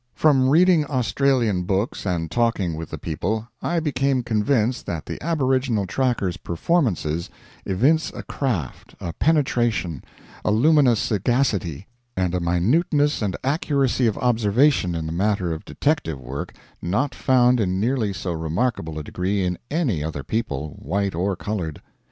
From reading Australian books and talking with the people, I became convinced that the aboriginal tracker's performances evince a craft, a penetration, a luminous sagacity, and a minuteness and accuracy of observation in the matter of detective work not found in nearly so remarkable a degree in any other people, white or colored.